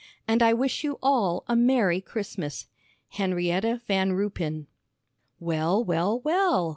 And I wish you all a Merry Christmas. "'HENRIETTA VAN RUYPEN,' "Well, well, well."